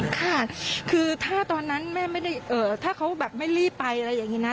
ค่ะคือถ้าตอนนั้นแม่ไม่ได้ถ้าเขาแบบไม่รีบไปอะไรอย่างนี้นะ